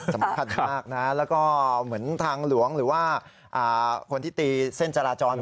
สำคัญมากนะแล้วก็เหมือนทางหลวงหรือว่าคนที่ตีเส้นจราจร